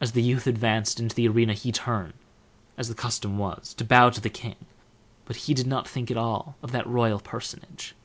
As the youth advanced into the arena he turned, as the custom was, to bow to the king, but he did not think at all of that royal personage.